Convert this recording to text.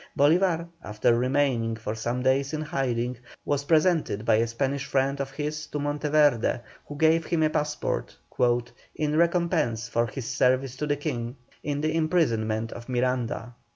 Bolívar, after remaining for some days in hiding, was presented by a Spanish friend of his to Monteverde, who gave him a passport "in recompense for his service to the King in the imprisonment of Miranda."